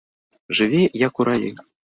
Жыве, як у раі.